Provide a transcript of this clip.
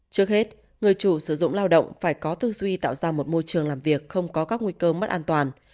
trước hết người chủ sử dụng lao động phải có tư duy tạo ra một môi trường làm việc không có các nguy cơ mất an toàn